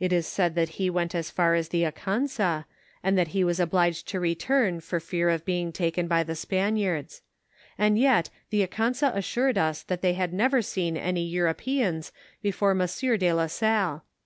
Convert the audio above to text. It is said tlint he went as fur as the Akansa, and that he was obliged to return for funr of being taken by the Spaniards; and yet the Akansa assured us that they had never seen any Europeans before Monsieur de la Salle.